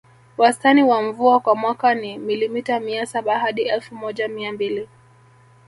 Wastani wa mvua kwa mwaka ni milimita mia saba hadi elfu moja mia mbili